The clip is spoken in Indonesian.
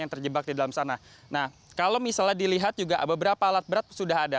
nah kalau misalnya dilihat juga beberapa alat berat sudah ada